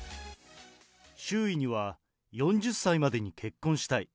周囲には、４０歳までに結婚したい。